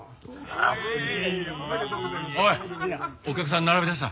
おいお客さん並びだした。